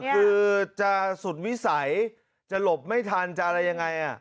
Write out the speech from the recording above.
คือจะสุดวิสัยจะหลบไม่ทันจะอะไรยังไง